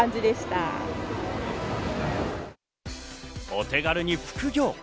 お手軽に副業。